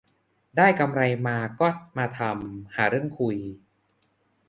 ได้กำไรมาก็มาทำ หาเรื่องคุย